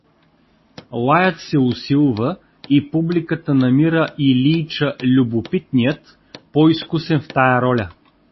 Лаят се усилва и публиката намира Илийча Любопитният по-изкусен в тая роля.